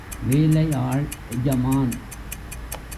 வேலை ஆள் எஜமான்!